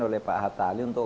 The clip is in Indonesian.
oleh pak hatta ali untuk